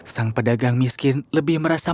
sang pedagang miskin lebih merasa